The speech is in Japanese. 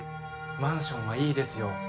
マンションはいいですよ。